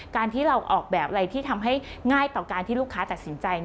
การที่เราออกแบบอะไรที่ทำให้ง่ายต่อการที่ลูกค้าตัดสินใจ